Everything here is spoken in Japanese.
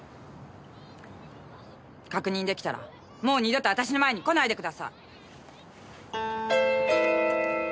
確認出来たらもう二度と私の前に来ないでください！